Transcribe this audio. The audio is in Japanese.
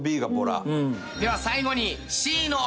では最後に。